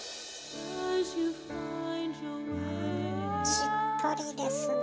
しっとりですね。